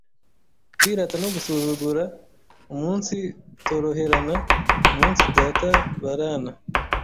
kwirata no gusuzugura, umunsitoroherana, umunsidatabarana,